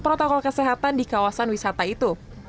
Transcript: protokol kesehatan di kawasan wisata itu